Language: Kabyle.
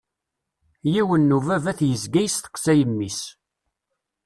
Yiwen n ubabat yezga yesteqsay mmi-s.